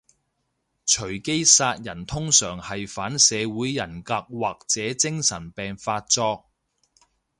隨機殺人通常係反社會人格或者精神病發作